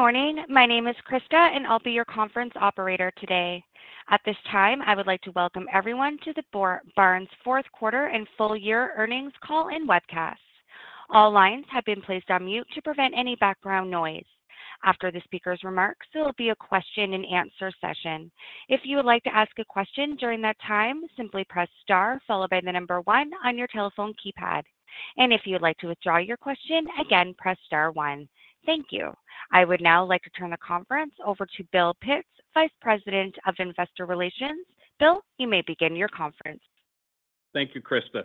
Good morning. My name is Krista, and I'll be your conference operator today. At this time, I would like to welcome everyone to the Barnes fourth quarter and full year earnings call and webcast. All lines have been placed on mute to prevent any background noise. After the speaker's remarks, there will be a question-and-answer session. If you would like to ask a question during that time, simply press star followed by the number one on your telephone keypad. If you'd like to withdraw your question, again, press star one. Thank you. I would now like to turn the conference over to Bill Pitts, Vice President of Investor Relations. Bill, you may begin your conference. Thank you, Krista.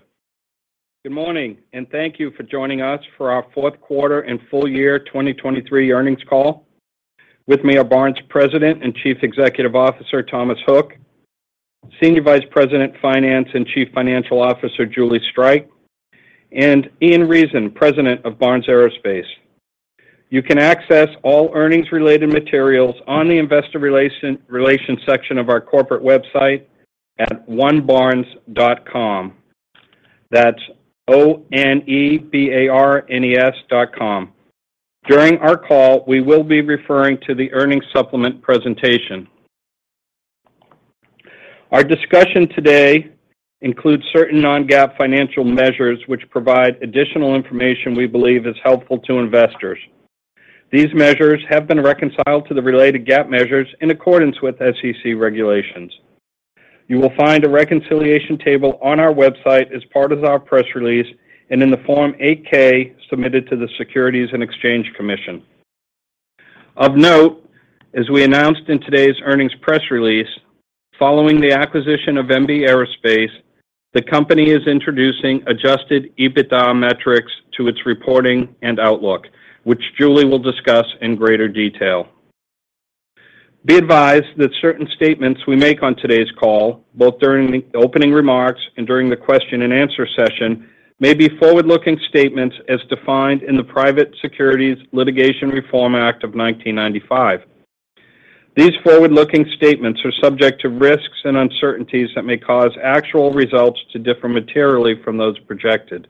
Good morning, and thank you for joining us for our fourth quarter and full year 2023 earnings call. With me are Barnes President and Chief Executive Officer, Thomas Hook, Senior Vice President, Finance and Chief Financial Officer, Julie Streich, and Ian Reason, President of Barnes Aerospace. You can access all earnings-related materials on the Investor Relations section of our corporate website at onebarnes.com. That's O-N-E-B-A-R-N-E-S dot com. During our call, we will be referring to the earnings supplement presentation. Our discussion today includes certain non-GAAP financial measures, which provide additional information we believe is helpful to investors. These measures have been reconciled to the related GAAP measures in accordance with SEC regulations. You will find a reconciliation table on our website as part of our press release and in the Form 8-K submitted to the Securities and Exchange Commission. Of note, as we announced in today's earnings press release, following the acquisition of MB Aerospace, the company is introducing adjusted EBITDA metrics to its reporting and outlook, which Julie will discuss in greater detail. Be advised that certain statements we make on today's call, both during the opening remarks and during the question-and-answer session, may be forward-looking statements as defined in the Private Securities Litigation Reform Act of 1995. These forward-looking statements are subject to risks and uncertainties that may cause actual results to differ materially from those projected.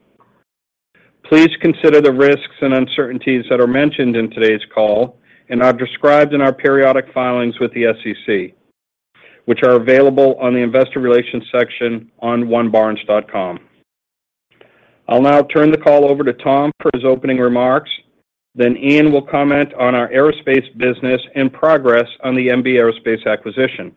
Please consider the risks and uncertainties that are mentioned in today's call, and are described in our periodic filings with the SEC, which are available on the Investor Relations section on onebarnes.com. I'll now turn the call over to Tom for his opening remarks. Then Ian will comment on our aerospace business and progress on the MB Aerospace acquisition.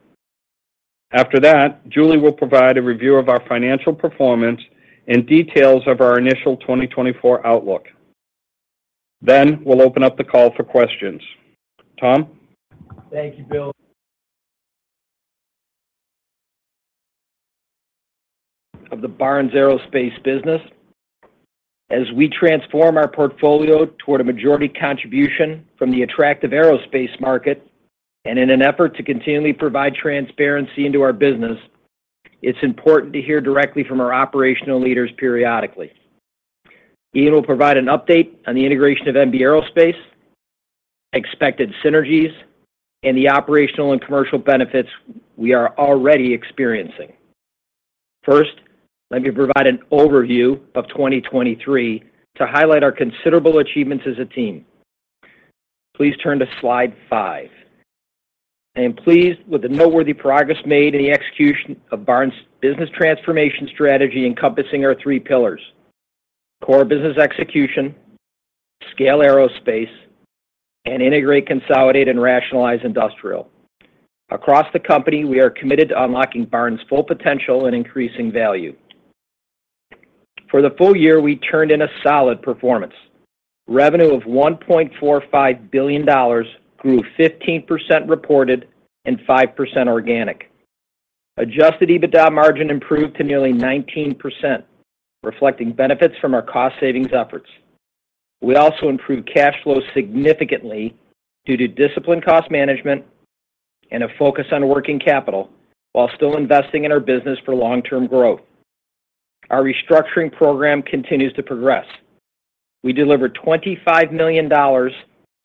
After that, Julie will provide a review of our financial performance and details of our initial 2024 outlook. Then, we'll open up the call for questions. Tom? Thank you, Bill. Of the Barnes Aerospace business. As we transform our portfolio toward a majority contribution from the attractive aerospace market, and in an effort to continually provide transparency into our business, it's important to hear directly from our operational leaders periodically. Ian will provide an update on the integration of MB Aerospace, expected synergies, and the operational and commercial benefits we are already experiencing. First, let me provide an overview of 2023 to highlight our considerable achievements as a team. Please turn to slide five. I am pleased with the noteworthy progress made in the execution of Barnes' business transformation strategy, encompassing our three pillars: core business execution, scale aerospace, and integrate, consolidate, and rationalize industrial. Across the company, we are committed to unlocking Barnes' full potential and increasing value. For the full year, we turned in a solid performance. Revenue of $1.45 billion grew 15% reported and 5% organic. Adjusted EBITDA margin improved to nearly 19%, reflecting benefits from our cost savings efforts. We also improved cash flow significantly due to disciplined cost management and a focus on working capital while still investing in our business for long-term growth. Our restructuring program continues to progress. We delivered $25 million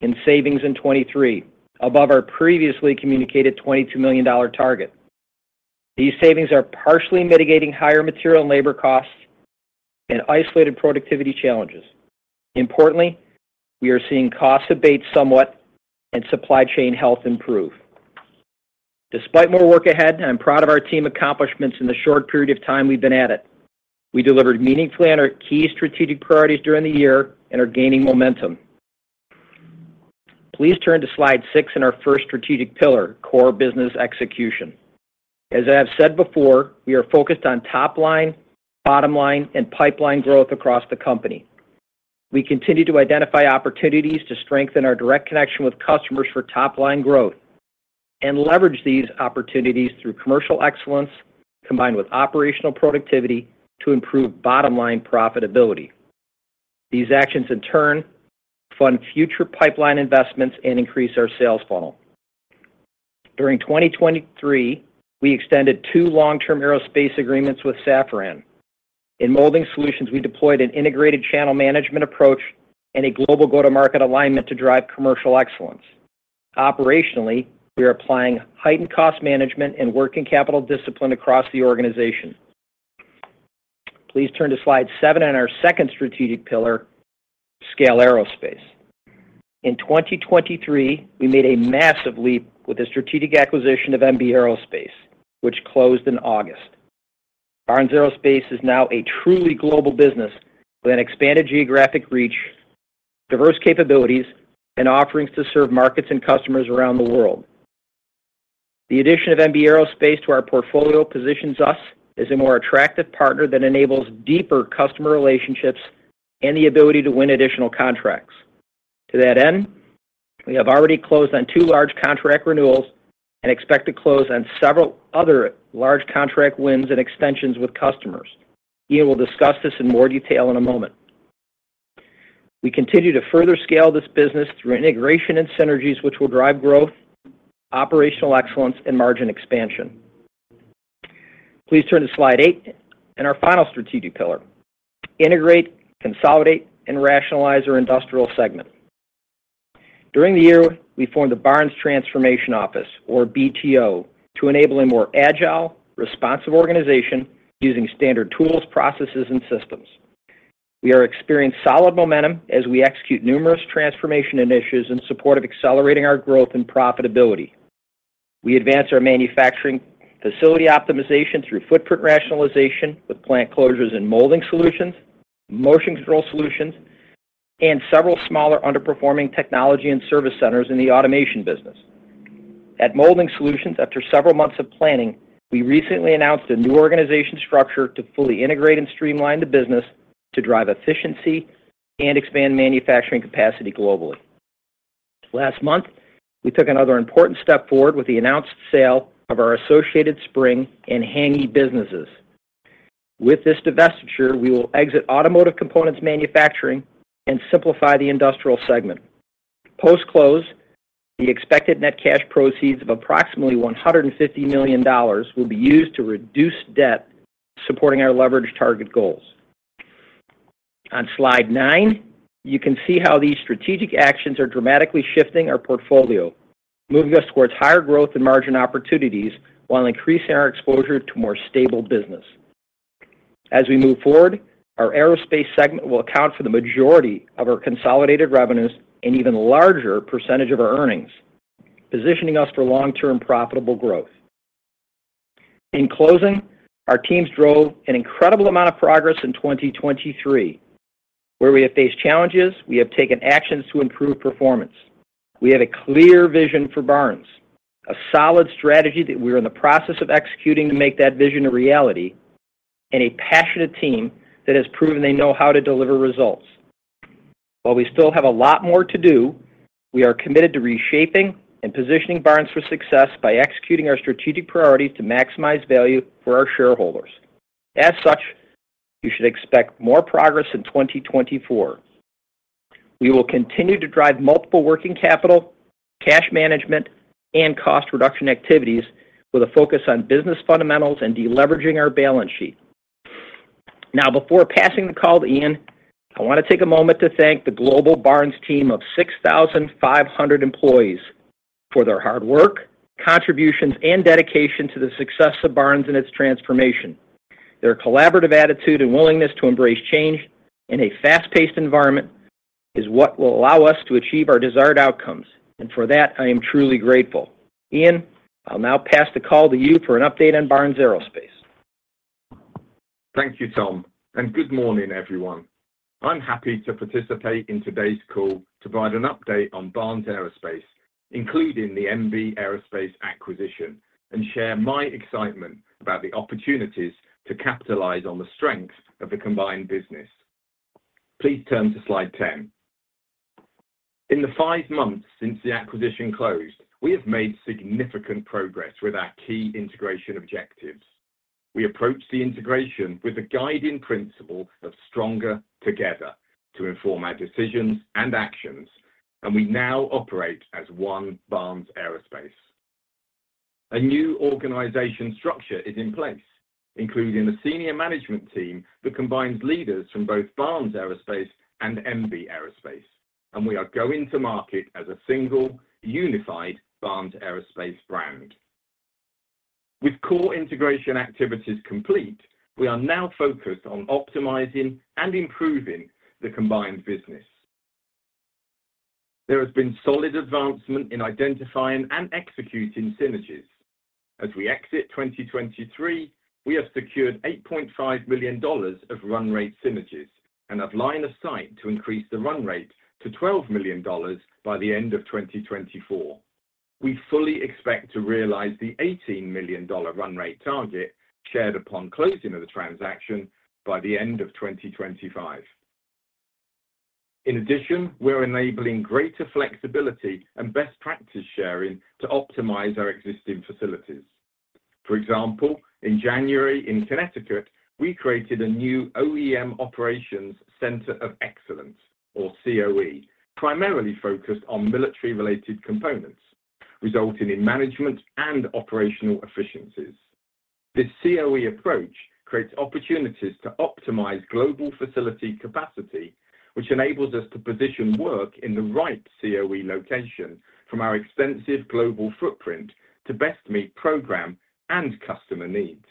in savings in 2023, above our previously communicated $22 million target. These savings are partially mitigating higher material and labor costs and isolated productivity challenges. Importantly, we are seeing costs abate somewhat and supply chain health improve. Despite more work ahead, I'm proud of our team accomplishments in the short period of time we've been at it. We delivered meaningfully on our key strategic priorities during the year and are gaining momentum. Please turn to slide six in our first strategic pillar, Core Business Execution. As I have said before, we are focused on top line, bottom line, and pipeline growth across the company. We continue to identify opportunities to strengthen our direct connection with customers for top line growth and leverage these opportunities through commercial excellence, combined with operational productivity, to improve bottom line profitability. These actions, in turn, fund future pipeline investments and increase our sales funnel. During 2023, we extended two long-term aerospace agreements with Safran. In Molding Solutions, we deployed an integrated channel management approach and a global go-to-market alignment to drive commercial excellence. Operationally, we are applying heightened cost management and working capital discipline across the organization.... Please turn to slide seven on our second strategic pillar, Scale Aerospace. In 2023, we made a massive leap with the strategic acquisition of MB Aerospace, which closed in August. Barnes Aerospace is now a truly global business with an expanded geographic reach, diverse capabilities, and offerings to serve markets and customers around the world. The addition of MB Aerospace to our portfolio positions us as a more attractive partner that enables deeper customer relationships and the ability to win additional contracts. To that end, we have already closed on two large contract renewals and expect to close on several other large contract wins and extensions with customers. Ian will discuss this in more detail in a moment. We continue to further scale this business through integration and synergies, which will drive growth, operational excellence, and margin expansion. Please turn to slide eight and our final strategic pillar: integrate, consolidate, and rationalize our industrial segment. During the year, we formed a Barnes Transformation Office, or BTO, to enable a more agile, responsive organization using standard tools, processes, and systems. We are experiencing solid momentum as we execute numerous transformation initiatives in support of accelerating our growth and profitability. We advance our manufacturing facility optimization through footprint rationalization, with plant closures and molding solutions, motion control solutions, and several smaller underperforming technology and service centers in the Automation business. At Molding Solutions, after several months of planning, we recently announced a new organization structure to fully integrate and streamline the business to drive efficiency and expand manufacturing capacity globally. Last month, we took another important step forward with the announced sale of our Associated Spring and Hänggi businesses. With this divestiture, we will exit automotive components manufacturing and simplify the industrial segment. Post-close, the expected net cash proceeds of approximately $150 million will be used to reduce debt, supporting our leverage target goals. On slide nine, you can see how these strategic actions are dramatically shifting our portfolio, moving us towards higher growth and margin opportunities, while increasing our exposure to more stable business. As we move forward, our aerospace segment will account for the majority of our consolidated revenues and even larger percentage of our earnings, positioning us for long-term profitable growth. In closing, our teams drove an incredible amount of progress in 2023, where we have faced challenges, we have taken actions to improve performance. We have a clear vision for Barnes, a solid strategy that we are in the process of executing to make that vision a reality, and a passionate team that has proven they know how to deliver results. While we still have a lot more to do, we are committed to reshaping and positioning Barnes for success by executing our strategic priority to maximize value for our shareholders. As such, you should expect more progress in 2024. We will continue to drive multiple working capital, cash management, and cost reduction activities with a focus on business fundamentals and deleveraging our balance sheet. Now, before passing the call to Ian, I want to take a moment to thank the Global Barnes team of 6,500 employees for their hard work, contributions, and dedication to the success of Barnes and its transformation. Their collaborative attitude and willingness to embrace change in a fast-paced environment is what will allow us to achieve our desired outcomes, and for that, I am truly grateful. Ian, I'll now pass the call to you for an update on Barnes Aerospace. Thank you, Tom, and good morning, everyone. I'm happy to participate in today's call to provide an update on Barnes Aerospace, including the MB Aerospace acquisition, and share my excitement about the opportunities to capitalize on the strengths of the combined business. Please turn to slide ten. In the five months since the acquisition closed, we have made significant progress with our key integration objectives. We approached the integration with a guiding principle of stronger together to inform our decisions and actions, and we now operate as one Barnes Aerospace. A new organization structure is in place, including a senior management team that combines leaders from both Barnes Aerospace and MB Aerospace, and we are going to market as a single, unified Barnes Aerospace brand. With core integration activities complete, we are now focused on optimizing and improving the combined business. There has been solid advancement in identifying and executing synergies. As we exit 2023, we have secured $8.5 million of run rate synergies and have line of sight to increase the run rate to $12 million by the end of 2024. We fully expect to realize the $18 million run rate target shared upon closing of the transaction by the end of 2025. In addition, we're enabling greater flexibility and best practice sharing to optimize our existing facilities. For example, in January, in Connecticut, we created a new OEM Operations Center of Excellence, or COE, primarily focused on military-related components, resulting in management and operational efficiencies. This COE approach creates opportunities to optimize global facility capacity, which enables us to position work in the right COE location from our extensive global footprint to best meet program and customer needs....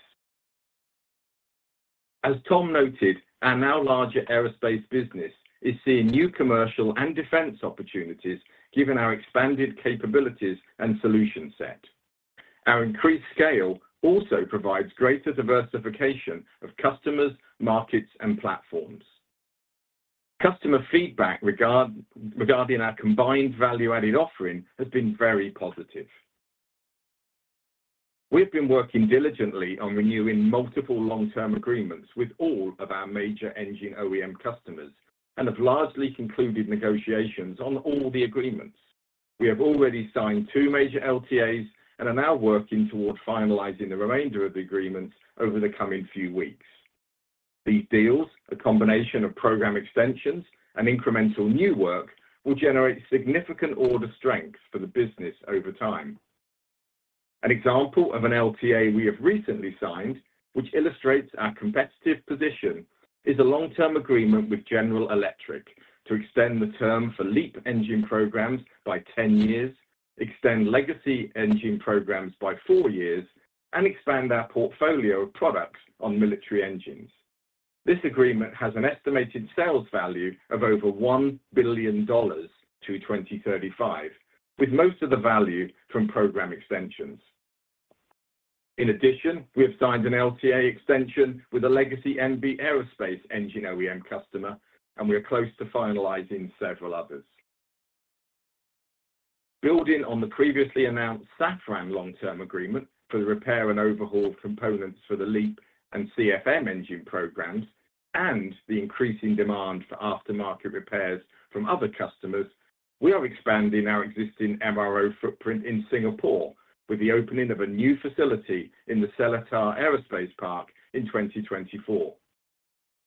As Tom noted, our now larger aerospace business is seeing new commercial and defense opportunities, given our expanded capabilities and solution set. Our increased scale also provides greater diversification of customers, markets, and platforms. Customer feedback regarding our combined value-added offering has been very positive. We've been working diligently on renewing multiple long-term agreements with all of our major engine OEM customers and have largely concluded negotiations on all the agreements. We have already signed two major LTAs and are now working toward finalizing the remainder of the agreements over the coming few weeks. These deals, a combination of program extensions and incremental new work, will generate significant order strength for the business over time. An example of an LTA we have recently signed, which illustrates our competitive position, is a long-term agreement with General Electric to extend the term for LEAP engine programs by 10 years, extend legacy engine programs by four years, and expand our portfolio of products on military engines. This agreement has an estimated sales value of over $1 billion to 2035, with most of the value from program extensions. In addition, we have signed an LTA extension with a legacy MB Aerospace engine OEM customer, and we are close to finalizing several others. Building on the previously announced Safran long-term agreement for the repair and overhaul of components for the LEAP and CFM engine programs and the increasing demand for aftermarket repairs from other customers, we are expanding our existing MRO footprint in Singapore with the opening of a new facility in the Seletar Aerospace Park in 2024.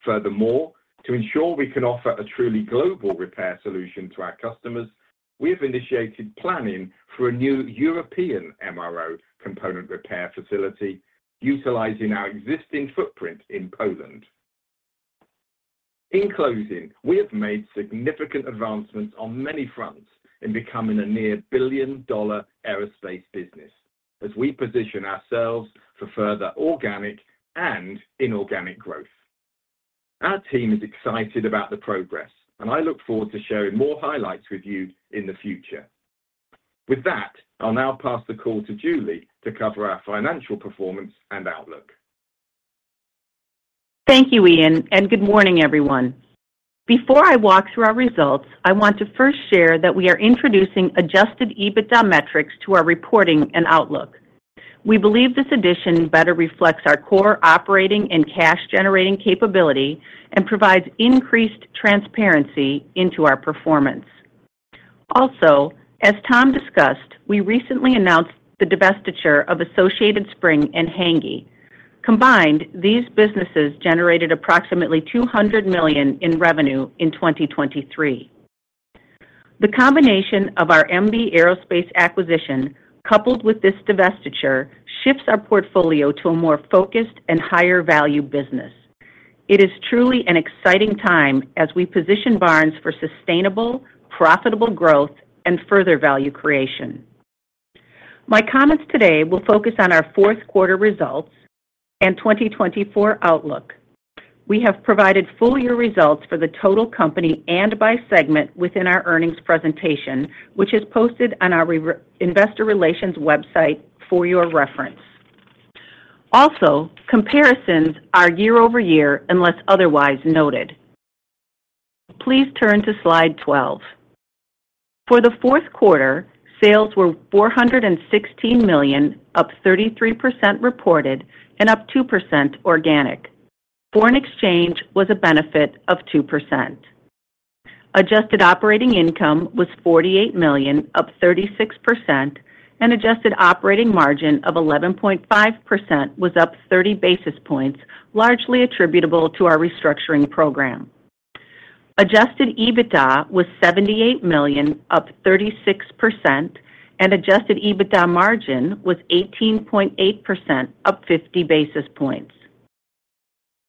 Furthermore, to ensure we can offer a truly global repair solution to our customers, we have initiated planning for a new European MRO component repair facility utilizing our existing footprint in Poland. In closing, we have made significant advancements on many fronts in becoming a near billion-dollar aerospace business as we position ourselves for further organic and inorganic growth. Our team is excited about the progress, and I look forward to sharing more highlights with you in the future. With that, I'll now pass the call to Julie to cover our financial performance and outlook. Thank you, Ian, and good morning, everyone. Before I walk through our results, I want to first share that we are introducing Adjusted EBITDA metrics to our reporting and outlook. We believe this addition better reflects our core operating and cash-generating capability and provides increased transparency into our performance. Also, as Tom discussed, we recently announced the divestiture of Associated Spring and Hänggi. Combined, these businesses generated approximately $200 million in revenue in 2023. The combination of our MB Aerospace acquisition, coupled with this divestiture, shifts our portfolio to a more focused and higher-value business. It is truly an exciting time as we position Barnes for sustainable, profitable growth and further value creation. My comments today will focus on our fourth quarter results and 2024 outlook. We have provided full-year results for the total company and by segment within our earnings presentation, which is posted on our investor relations website for your reference. Also, comparisons are year-over-year, unless otherwise noted. Please turn to slide 12. For the fourth quarter, sales were $416 million, up 33% reported and up 2% organic. Foreign exchange was a benefit of 2%. Adjusted operating income was $48 million, up 36%, and adjusted operating margin of 11.5% was up 30 basis points, largely attributable to our restructuring program. Adjusted EBITDA was $78 million, up 36%, and adjusted EBITDA margin was 18.8%, up 50 basis points.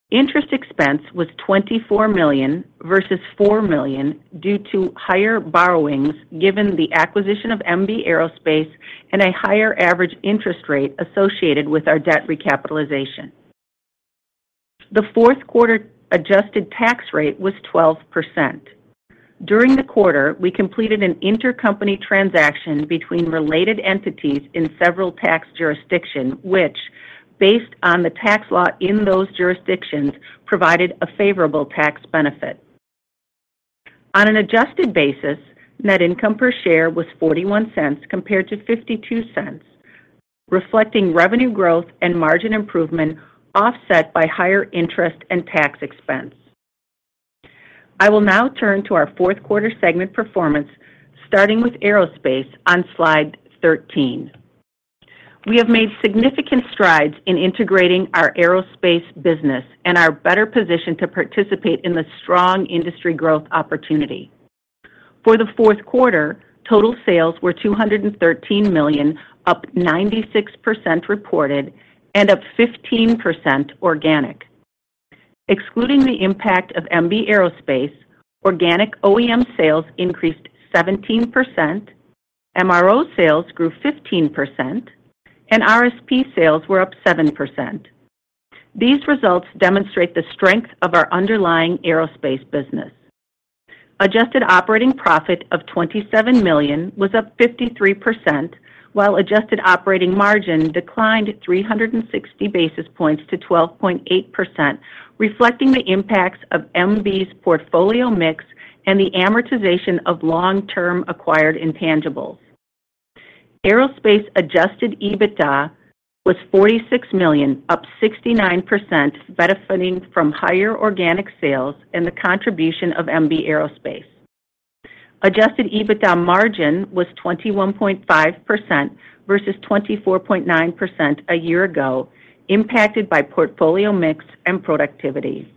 Interest expense was $24 million versus $4 million due to higher borrowings, given the acquisition of MB Aerospace and a higher average interest rate associated with our debt recapitalization. The fourth quarter adjusted tax rate was 12%. During the quarter, we completed an intercompany transaction between related entities in several tax jurisdictions, which, based on the tax law in those jurisdictions, provided a favorable tax benefit. On an adjusted basis, net income per share was $0.41, compared to $0.52, reflecting revenue growth and margin improvement, offset by higher interest and tax expense. I will now turn to our fourth quarter segment performance, starting with aerospace on slide 13. We have made significant strides in integrating our aerospace business and are better positioned to participate in the strong industry growth opportunity. For the fourth quarter, total sales were $213 million, up 96% reported and up 15% organic. Excluding the impact of MB Aerospace, organic OEM sales increased 17%.... MRO sales grew 15%, and RSP sales were up 7%. These results demonstrate the strength of our underlying aerospace business. Adjusted operating profit of $27 million was up 53%, while adjusted operating margin declined 360 basis points to 12.8%, reflecting the impacts of MB's portfolio mix and the amortization of long-term acquired intangibles. Aerospace adjusted EBITDA was $46 million, up 69%, benefiting from higher organic sales and the contribution of MB Aerospace. Adjusted EBITDA margin was 21.5% versus 24.9% a year ago, impacted by portfolio mix and productivity.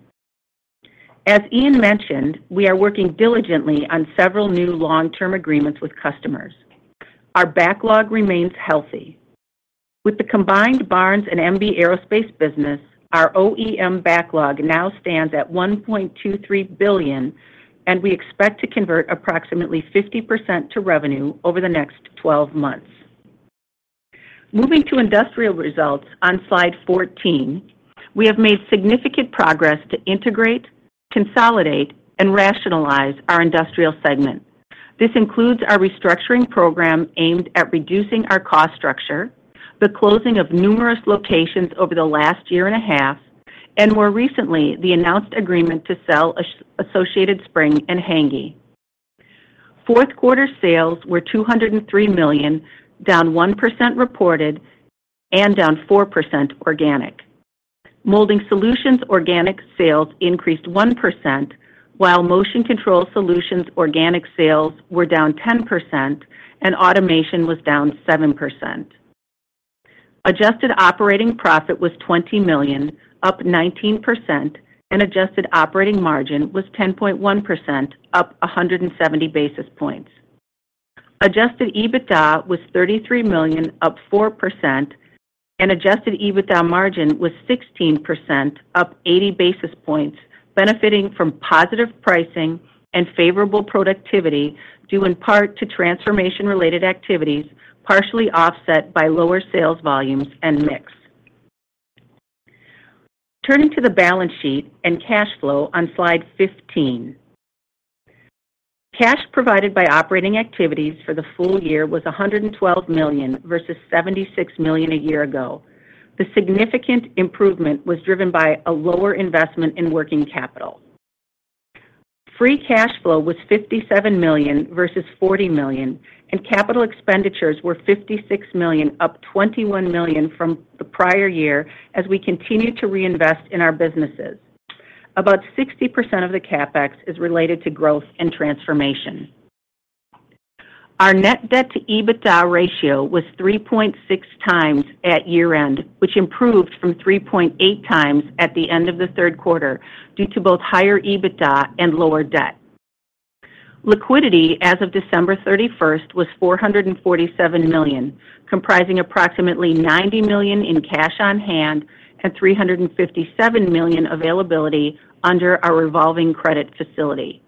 As Ian mentioned, we are working diligently on several new long-term agreements with customers. Our backlog remains healthy. With the combined Barnes and MB Aerospace business, our OEM backlog now stands at $1.23 billion, and we expect to convert approximately 50% to revenue over the next 12 months. Moving to industrial results on Slide 14, we have made significant progress to integrate, consolidate, and rationalize our industrial segment. This includes our restructuring program aimed at reducing our cost structure, the closing of numerous locations over the last year and a half, and more recently, the announced agreement to sell Associated Spring and Hänggi. Fourth quarter sales were $203 million, down 1% reported and down 4% organic. Molding Solutions organic sales increased 1%, while Motion Control Solutions organic sales were down 10%, and automation was down 7%. Adjusted operating profit was $20 million, up 19%, and adjusted operating margin was 10.1%, up 170 basis points. Adjusted EBITDA was $33 million, up 4%, and adjusted EBITDA margin was 16%, up 80 basis points, benefiting from positive pricing and favorable productivity, due in part to transformation-related activities, partially offset by lower sales volumes and mix. Turning to the balance sheet and cash flow on Slide 15. Cash provided by operating activities for the full year was $112 million versus $76 million a year ago. The significant improvement was driven by a lower investment in working capital. Free cash flow was $57 million versus $40 million, and capital expenditures were $56 million, up $21 million from the prior year as we continued to reinvest in our businesses. About 60% of the CapEx is related to growth and transformation. Our net debt to EBITDA ratio was 3.6 times at year-end, which improved from 3.8 times at the end of the third quarter due to both higher EBITDA and lower debt. Liquidity as of December 31st was $447 million, comprising approximately $90 million in cash on hand and $357 million availability under our revolving credit facility.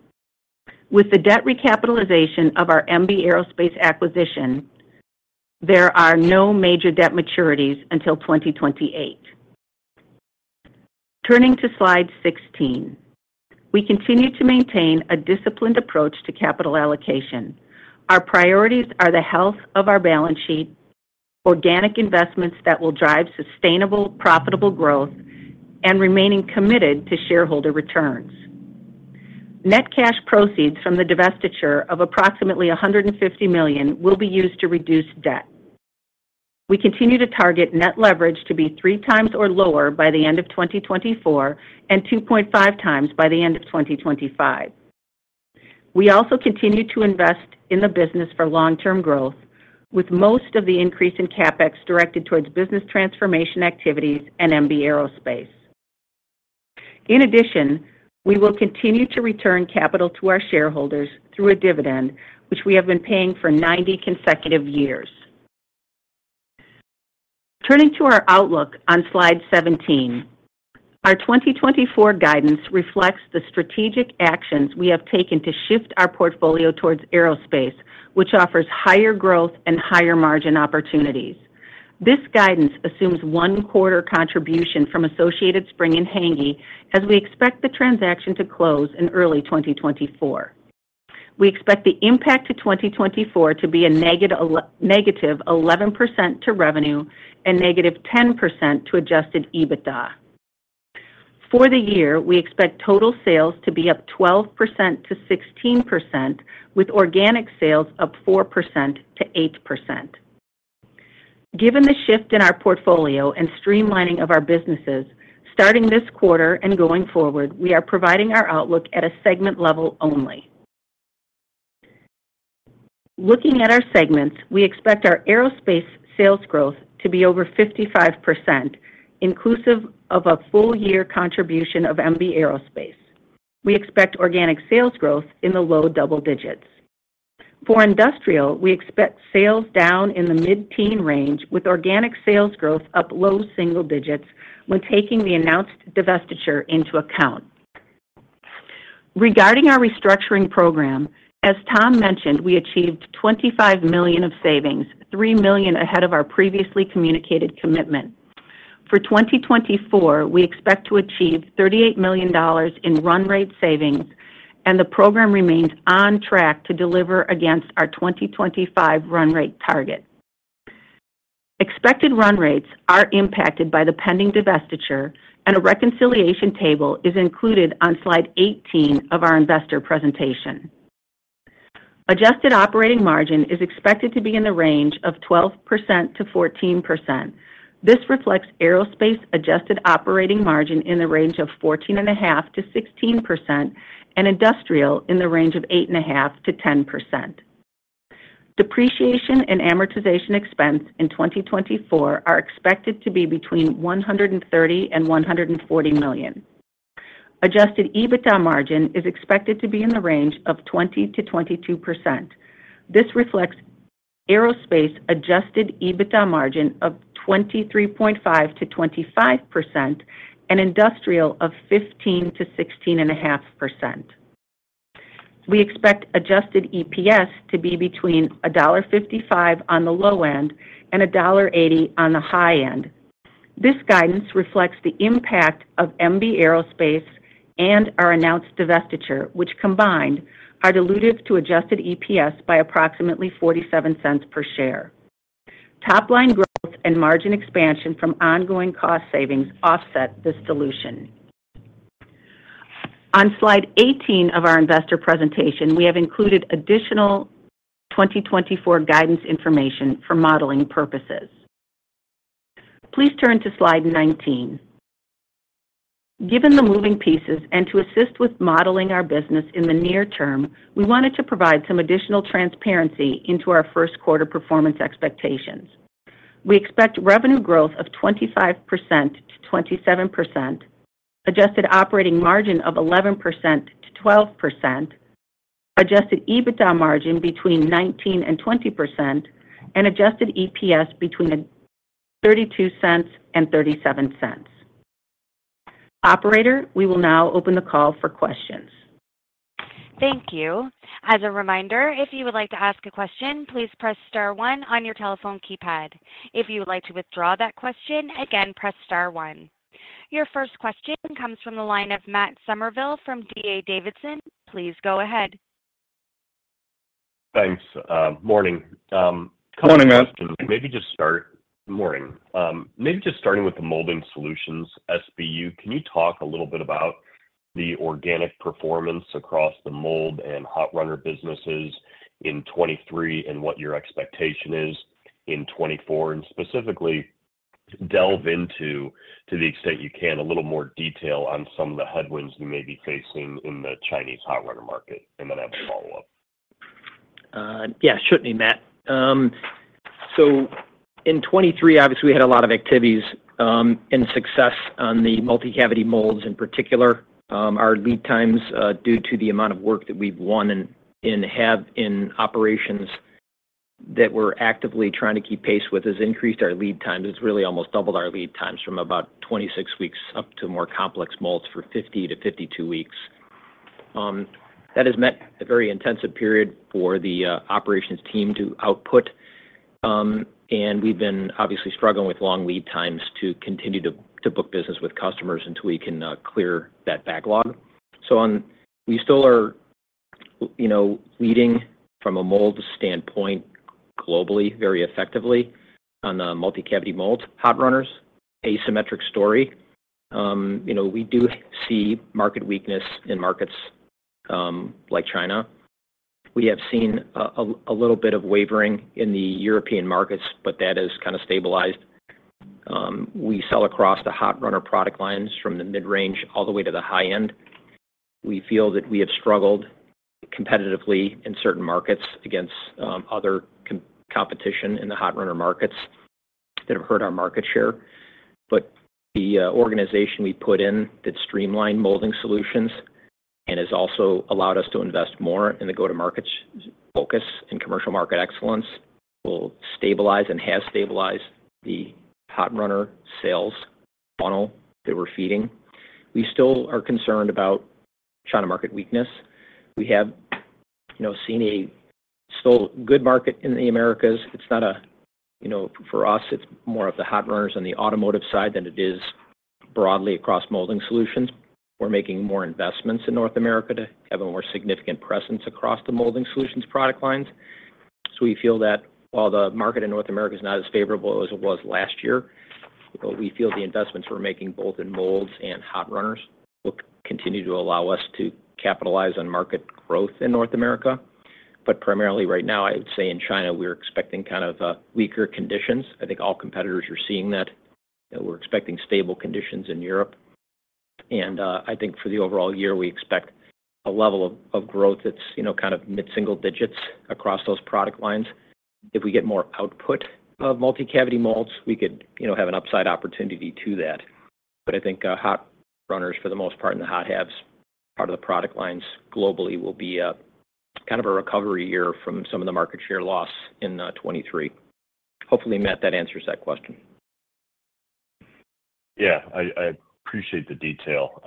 With the debt recapitalization of our MB Aerospace acquisition, there are no major debt maturities until 2028. Turning to Slide 16. We continue to maintain a disciplined approach to capital allocation. Our priorities are the health of our balance sheet, organic investments that will drive sustainable, profitable growth, and remaining committed to shareholder returns. Net cash proceeds from the divestiture of approximately $150 million will be used to reduce debt. We continue to target net leverage to be 3 times or lower by the end of 2024, and 2.5 times by the end of 2025. We also continue to invest in the business for long-term growth, with most of the increase in CapEx directed towards business transformation activities and MB Aerospace. In addition, we will continue to return capital to our shareholders through a dividend, which we have been paying for 90 consecutive years. Turning to our outlook on Slide 17. Our 2024 guidance reflects the strategic actions we have taken to shift our portfolio towards aerospace, which offers higher growth and higher margin opportunities. This guidance assumes one quarter contribution from Associated Spring and Hänggi, as we expect the transaction to close in early 2024. We expect the impact to 2024 to be a -11% to revenue and -10% to Adjusted EBITDA. For the year, we expect total sales to be up 12%-16%, with organic sales up 4%-8%. Given the shift in our portfolio and streamlining of our businesses, starting this quarter and going forward, we are providing our outlook at a segment level only. Looking at our segments, we expect our aerospace sales growth to be over 55%, inclusive of a full year contribution of MB Aerospace. We expect organic sales growth in the low double digits. For industrial, we expect sales down in the mid-teen range, with organic sales growth up low single digits when taking the announced divestiture into account. Regarding our restructuring program, as Tom mentioned, we achieved $25 million of savings, $3 million ahead of our previously communicated commitment. For 2024, we expect to achieve $38 million in run rate savings, and the program remains on track to deliver against our 2025 run rate target. Expected run rates are impacted by the pending divestiture, and a reconciliation table is included on slide 18 of our investor presentation. Adjusted operating margin is expected to be in the range of 12%-14%. This reflects aerospace adjusted operating margin in the range of 14.5%-16% and industrial in the range of 8.5%-10%. Depreciation and amortization expense in 2024 are expected to be between $130 million and $140 million. Adjusted EBITDA margin is expected to be in the range of 20%-22%. This reflects aerospace adjusted EBITDA margin of 23.5%-25% and industrial of 15%-16.5%. We expect adjusted EPS to be between $1.55 on the low end and $1.80 on the high end. This guidance reflects the impact of MB Aerospace and our announced divestiture, which combined, are dilutive to adjusted EPS by approximately $0.47 per share. Top line growth and margin expansion from ongoing cost savings offset this dilution. On slide 18 of our investor presentation, we have included additional 2024 guidance information for modeling purposes. Please turn to slide 19. Given the moving pieces and to assist with modeling our business in the near term, we wanted to provide some additional transparency into our first quarter performance expectations. We expect revenue growth of 25%-27%, adjusted operating margin of 11%-12%, adjusted EBITDA margin between 19% and 20%, and adjusted EPS between $0.32 and $0.37. Operator, we will now open the call for questions. Thank you. As a reminder, if you would like to ask a question, please press star one on your telephone keypad. If you would like to withdraw that question again, press star one. Your first question comes from the line of Matt Summerville from D.A. Davidson. Please go ahead. Thanks. Morning. Morning, Matt. Maybe just starting with the Molding Solutions SBU, can you talk a little bit about the organic performance across the mold and hot runner businesses in 2023 and what your expectation is in 2024? And specifically delve into, to the extent you can, a little more detail on some of the headwinds you may be facing in the Chinese hot runner market, and then I have a follow-up. Yeah, certainly, Matt. So in 2023, obviously, we had a lot of activities and success on the multi-cavity molds in particular. Our lead times, due to the amount of work that we've won and have in operations that we're actively trying to keep pace with, has increased our lead times. It's really almost doubled our lead times from about 26 weeks up to more complex molds for 50 to 52 weeks. That has meant a very intensive period for the operations team to output, and we've been obviously struggling with long lead times to continue to book business with customers until we can clear that backlog. So, we still are, you know, leading from a mold standpoint, globally, very effectively on the multi-cavity mold. Hot runners, asymmetric story. You know, we do see market weakness in markets like China. We have seen a little bit of wavering in the European markets, but that has kind of stabilized. We sell across the hot runner product lines from the mid-range all the way to the high end. We feel that we have struggled competitively in certain markets against other competition in the hot runner markets that have hurt our market share. But the organization we put in that streamlined molding solutions and has also allowed us to invest more in the go-to-market focus and commercial market excellence will stabilize and has stabilized the hot runner sales funnel that we're feeding. We still are concerned about China market weakness. We have, you know, seen a still good market in the Americas. It's not a, you know, for us, it's more of the hot runners on the automotive side than it is broadly across Molding Solutions. We're making more investments in North America to have a more significant presence across the Molding Solutions product lines. So we feel that while the market in North America is not as favorable as it was last year, but we feel the investments we're making both in molds and hot runners, will continue to allow us to capitalize on market growth in North America. But primarily right now, I would say in China, we're expecting kind of, weaker conditions. I think all competitors are seeing that. We're expecting stable conditions in Europe. And, I think for the overall year, we expect a level of growth that's, you know, kind of mid-single digits across those product lines. If we get more output of multi-cavity molds, we could, you know, have an upside opportunity to that. But I think, hot runners, for the most part, and the hot halves, part of the product lines globally will be a kind of a recovery year from some of the market share loss in, 2023. Hopefully, Matt, that answers that question.... Yeah, I appreciate the detail.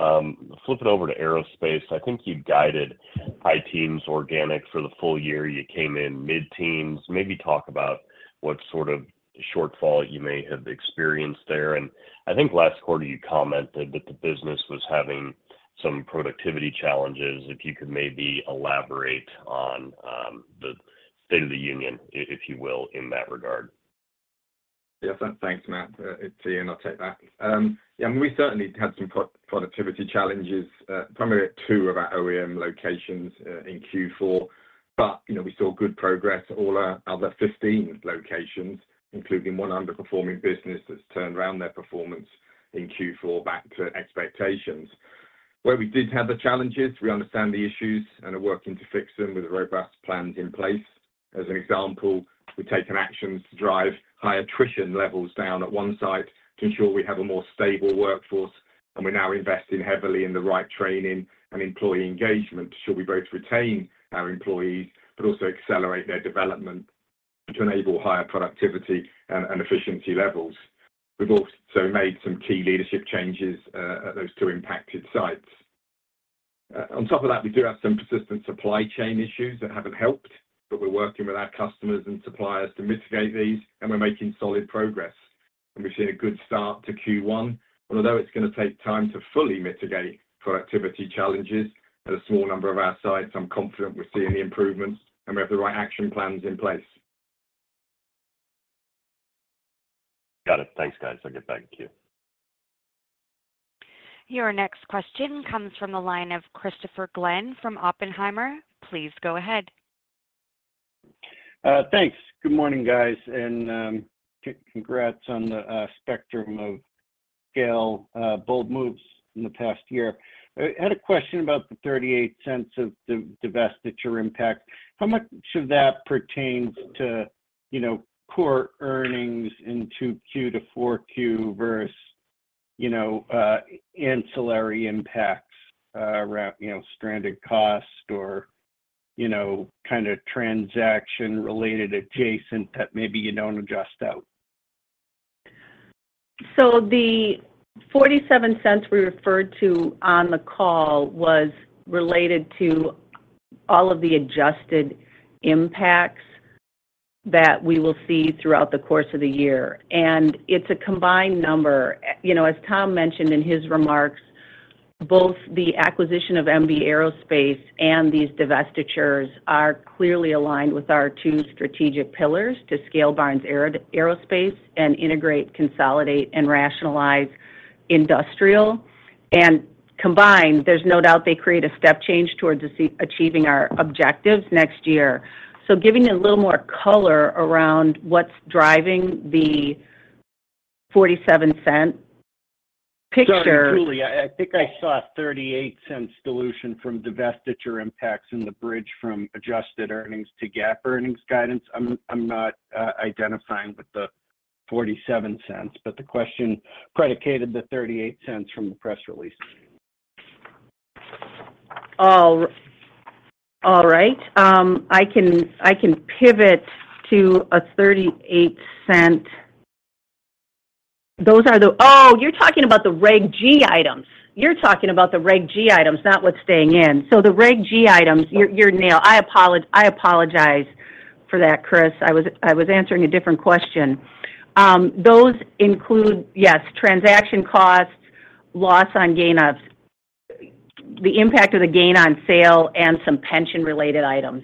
Flip it over to aerospace. I think you guided high teens organic for the full year. You came in mid-teens. Maybe talk about what sort of shortfall you may have experienced there. And I think last quarter you commented that the business was having some productivity challenges. If you could maybe elaborate on the state of the union, if you will, in that regard. Yes, and thanks, Matt. It's Ian, I'll take that. Yeah, we certainly had some productivity challenges, primarily at two of our OEM locations, in Q4. But, you know, we saw good progress at all our other fifteen locations, including one underperforming business that's turned around their performance in Q4 back to expectations. Where we did have the challenges, we understand the issues and are working to fix them with robust plans in place. As an example, we've taken actions to drive high attrition levels down at one site to ensure we have a more stable workforce, and we're now investing heavily in the right training and employee engagement to ensure we both retain our employees, but also accelerate their development to enable higher productivity and efficiency levels. We've also made some key leadership changes at those two impacted sites. On top of that, we do have some persistent supply chain issues that haven't helped, but we're working with our customers and suppliers to mitigate these, and we're making solid progress. We've seen a good start to Q1. Although it's going to take time to fully mitigate productivity challenges at a small number of our sites, I'm confident we're seeing the improvements, and we have the right action plans in place. Got it. Thanks, guys. Okay, thank you. Your next question comes from the line of Christopher Glynn from Oppenheimer. Please go ahead. Thanks. Good morning, guys, and, congrats on the, spectrum of scale, bold moves in the past year. I had a question about the $0.38 of the divestiture impact. How much of that pertains to, you know, core earnings in 2Q to 4Q versus, you know, ancillary impacts, around, you know, stranded costs or, you know, kind of transaction related adjacent that maybe you don't adjust out? So the $0.47 we referred to on the call was related to all of the adjusted impacts that we will see throughout the course of the year, and it's a combined number. You know, as Tom mentioned in his remarks, both the acquisition of MB Aerospace and these divestitures are clearly aligned with our two strategic pillars to scale Barnes Aerospace and integrate, consolidate, and rationalize industrial. And combined, there's no doubt they create a step change towards achieving our objectives next year. So giving it a little more color around what's driving the $0.47 picture- Sorry, Julie, I think I saw a $0.38 dilution from divestiture impacts in the bridge from adjusted earnings to GAAP earnings guidance. I'm not identifying with the $0.47, but the question predicated the $0.38 from the press release. All right. I can pivot to a $0.38... Those are the— Oh! You're talking about the Reg G items. You're talking about the Reg G items, not what's staying in. So the Reg G items, I apologize for that, Chris. I was answering a different question. Those include, yes, transaction costs, loss on gain of... The impact of the gain on sale and some pension related items.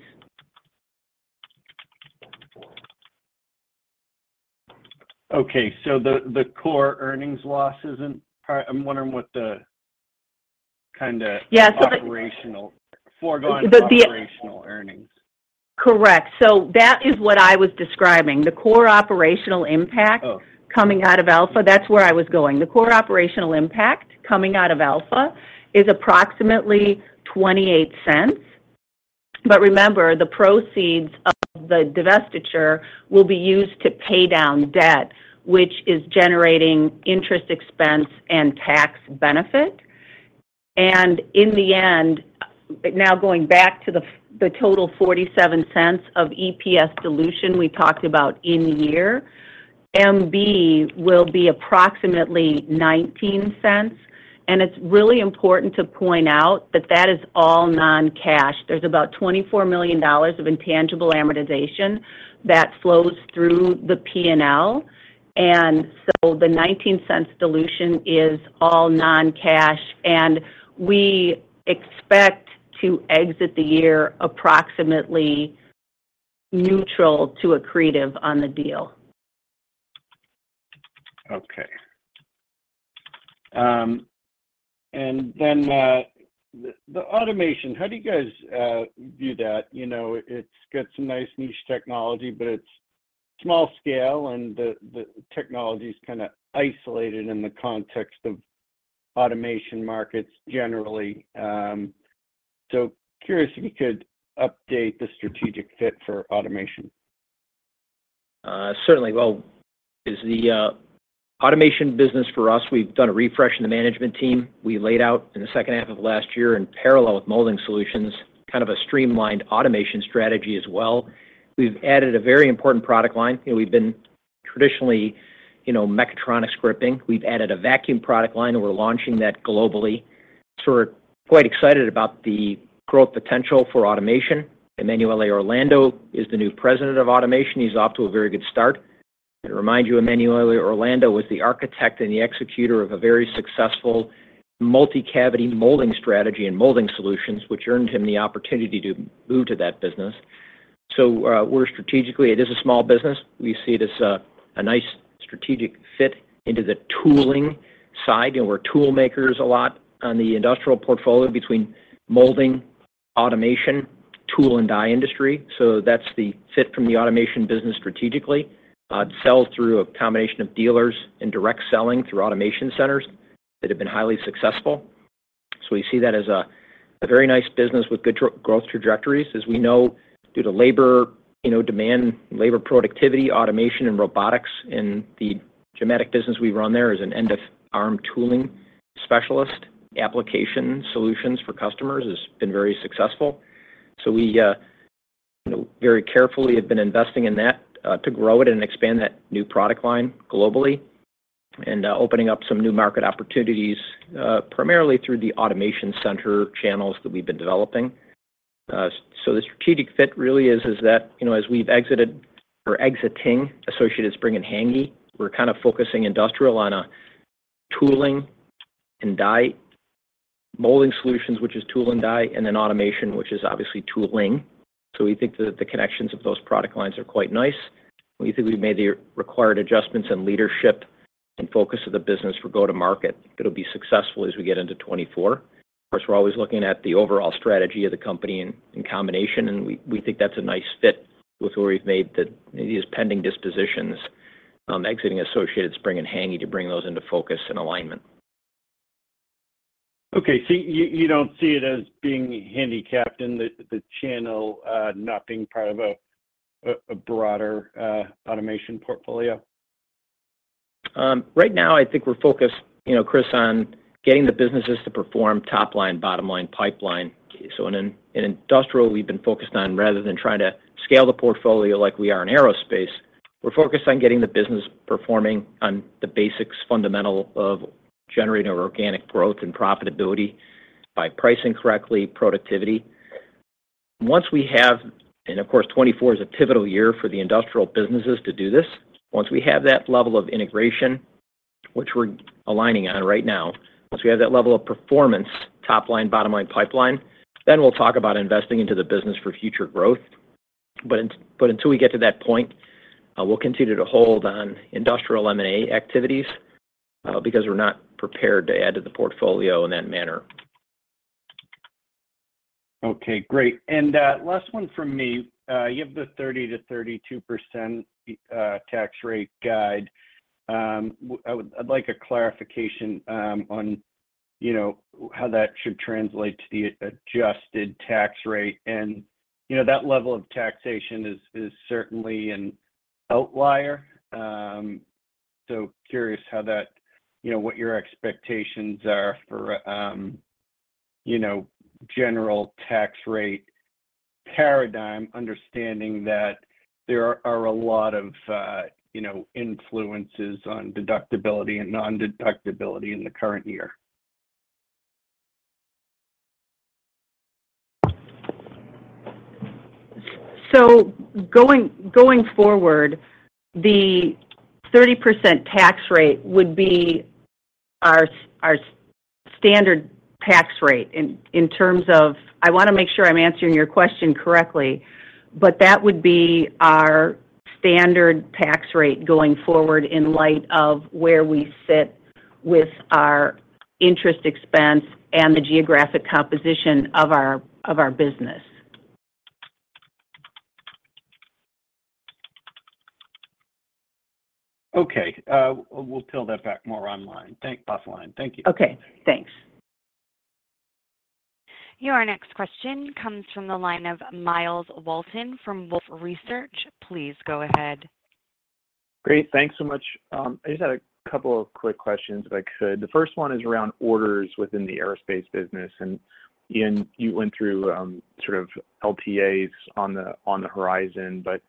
Okay. So the core earnings loss isn't part-- I'm wondering what the kinda- Yes, so operational... foregone The-the operational earnings. Correct. So that is what I was describing, the core operational impact- Oh. Coming out of Alpha. That's where I was going. The core operational impact coming out of Alpha is approximately $0.28. But remember, the proceeds of the divestiture will be used to pay down debt, which is generating interest expense and tax benefit. And in the end, now going back to the total $0.47 of EPS dilution we talked about in the year, MB will be approximately $0.19, and it's really important to point out that that is all non-cash. There's about $24 million of intangible amortization that flows through the P&L, and so the $0.19 dilution is all non-cash, and we expect to exit the year approximately neutral to accretive on the deal. Okay. And then the automation, how do you guys view that? You know, it's got some nice niche technology, but it's small scale, and the technology is kind of isolated in the context of automation markets generally. So curious if you could update the strategic fit for automation. Certainly. Well, as the automation business for us, we've done a refresh in the management team. We laid out in the second half of last year, in parallel with Molding Solutions, kind of a streamlined automation strategy as well.... We've added a very important product line. You know, we've been traditionally, you know, mechatronics gripping. We've added a vacuum product line, and we're launching that globally. So we're quite excited about the growth potential for automation. Emanuele Orlando is the new president of automation. He's off to a very good start. To remind you, Emanuele Orlando was the architect and the executor of a very successful multi-cavity molding strategy and molding solutions, which earned him the opportunity to move to that business. So, we're strategically. It is a small business. We see it as a nice strategic fit into the tooling side. You know, we're tool makers a lot on the industrial portfolio between molding, automation, tool and die industry. So that's the fit from the automation business strategically. It sells through a combination of dealers and direct selling through automation centers that have been highly successful. So we see that as a very nice business with good growth trajectories. As we know, due to labor, you know, demand, labor productivity, automation, and robotics in the automation business we run there is an end-of-arm tooling specialist. Application solutions for customers has been very successful. So we very carefully have been investing in that to grow it and expand that new product line globally, and opening up some new market opportunities primarily through the automation center channels that we've been developing. So the strategic fit really is that, you know, as we've exited or exiting Associated Spring and Hänggi, we're kind of focusing industrial on tooling and die molding solutions, which is tool and die, and then automation, which is obviously tooling. So we think that the connections of those product lines are quite nice. We think we've made the required adjustments in leadership and focus of the business for go-to-market. It'll be successful as we get into 2024. Of course, we're always looking at the overall strategy of the company in combination, and we think that's a nice fit with where we've made these pending dispositions, exiting Associated Spring and Hänggi to bring those into focus and alignment. Okay. So you don't see it as being handicapped in the channel, not being part of a broader automation portfolio? Right now, I think we're focused, you know, Chris, on getting the businesses to perform top line, bottom line, pipeline. So in industrial, we've been focused on, rather than trying to scale the portfolio like we are in aerospace, we're focused on getting the business performing on the basics, fundamental of generating our organic growth and profitability by pricing correctly, productivity. Of course, 2024 is a pivotal year for the industrial businesses to do this. Once we have that level of integration, which we're aligning on right now, once we have that level of performance, top line, bottom line, pipeline, then we'll talk about investing into the business for future growth. But until we get to that point, we'll continue to hold on industrial M&A activities, because we're not prepared to add to the portfolio in that manner. Okay, great. And last one from me. You have the 30%-32% tax rate guide. I'd like a clarification on, you know, how that should translate to the adjusted tax rate. And, you know, that level of taxation is certainly an outlier. So curious how that, you know, what your expectations are for, you know, general tax rate paradigm, understanding that there are a lot of, you know, influences on deductibility and nondeductibility in the current year. So going forward, the 30% tax rate would be our standard tax rate in terms of... I wanna make sure I'm answering your question correctly, but that would be our standard tax rate going forward in light of where we sit with our interest expense and the geographic composition of our business. Okay, we'll pull that back more offline. Thank you. Okay, thanks. Your next question comes from the line of Myles Walton from Wolfe Research. Please go ahead. Great, thanks so much. I just had a couple of quick questions, if I could. The first one is around orders within the aerospace business, and, Ian, you went through, sort of LTAs on the, on the horizon, but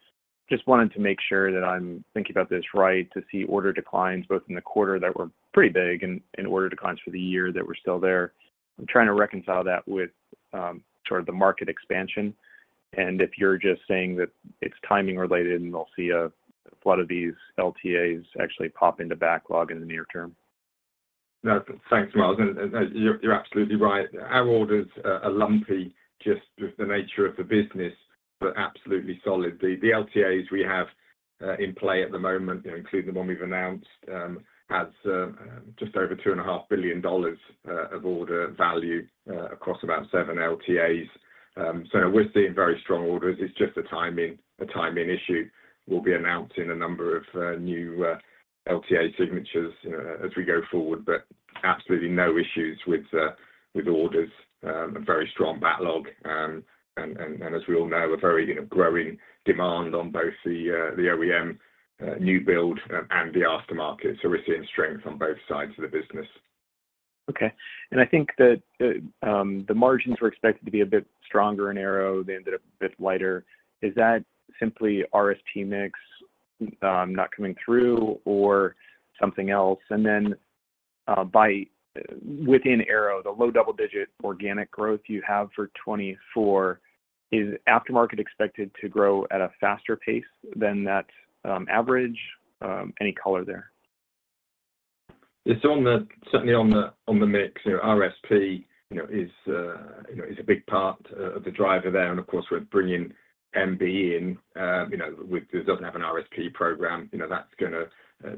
just wanted to make sure that I'm thinking about this right, to see order declines both in the quarter that were pretty big and, and order declines for the year that were still there. I'm trying to reconcile that with, sort of the market expansion, and if you're just saying that it's timing related, and we'll see a lot of these LTAs actually pop into backlog in the near term. No, thanks, Myles, and you're absolutely right. Our orders are lumpy, just with the nature of the business, but absolutely solid. The LTAs we have in play at the moment, including the one we've announced, has just over $2.5 billion of order value across about seven LTAs. So we're seeing very strong orders. It's just a timing issue. We'll be announcing a number of new LTA signatures, you know, as we go forward, but absolutely no issues with orders, a very strong backlog. And as we all know, a very, you know, growing demand on both the OEM new build and the aftermarket. So we're seeing strength on both sides of the business.... Okay, and I think that the margins were expected to be a bit stronger in Aero, they ended up a bit lighter. Is that simply RSP mix not coming through or something else? And then, within Aero, the low double-digit organic growth you have for 2024, is aftermarket expected to grow at a faster pace than that average? Any color there? It's certainly on the mix. You know, RSP, you know, is, you know, is a big part of the driver there, and of course, we're bringing MB in, you know, which doesn't have an RSP program. You know, that's gonna